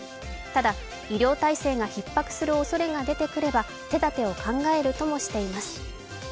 ただ医療体制がひっ迫するおそれが出てくれば手だてを考えるともしています。